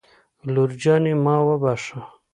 لور جانې ما وبښه